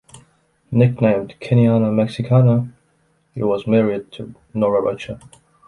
Nicknamed “Keniano Mexicano”, he was married to Nora Rocha.